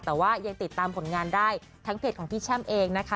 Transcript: แต่ว่ายังติดตามผลงานได้ทั้งเพจของพี่แช่มเองนะคะ